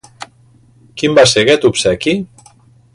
Quin va ser aquest obsequi?